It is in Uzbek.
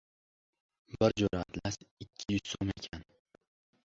— Bir jo‘ra atlas ikki yuz so‘m ekan.